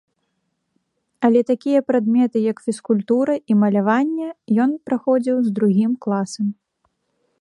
Але такія прадметы як фізкультура і маляванне ён праходзіў з другім класам.